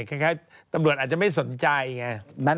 คล้ายตำรวจอาจจะไม่สนใจไง